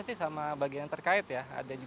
selama musim kemarau